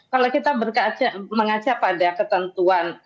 kalau kita mengacap ada ketentuan